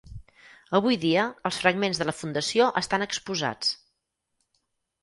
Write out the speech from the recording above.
Avui dia, els fragments de la fundació estan exposats.